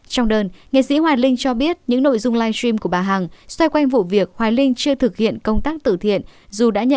trong đơn nghệ sĩ hoài linh cho biết những nội dung live stream của bà hằng xoay quanh vụ việc hoài linh chưa thực hiện công tác tử thiện